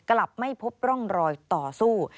กลับไม่พบร่องรอยต่อสู้